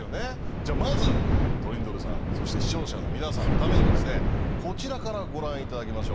じゃあまずトリンドルさんそして視聴者の皆さんのためにもこちらからご覧頂きましょう。